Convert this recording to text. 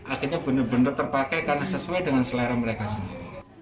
akhirnya benar benar terpakai karena sesuai dengan selera mereka sendiri